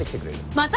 また！？